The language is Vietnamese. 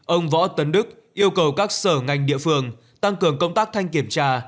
ông võ tấn đức yêu cầu các sở ngành địa phương tăng cường công tác thanh kiểm tra